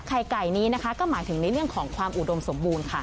ไข่ไก่นี้นะคะก็หมายถึงในเรื่องของความอุดมสมบูรณ์ค่ะ